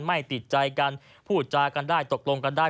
ไม่ติดใจกันพูดจากันได้ตกลงกันได้